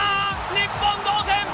日本同点。